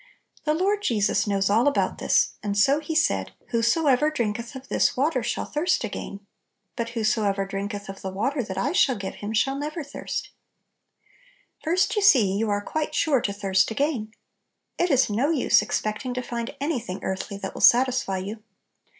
The Lord Jesus knows all about this, « and so He said, "Whosoever drinketh of this water shall thirst again; but whosoever drinketh of they water that I shall give him, shall never thirst" First, you see you are quite sure to "thirst again"; it is no use expecting to find any thing earthly that will satis fy you.